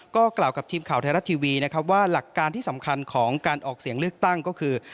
ก็กล่าวกับทีมข่าวไทยรัฐทีวีนะครับว่าหลักการที่สำคัญของการออกเสียงเลือกตั้งก็คือ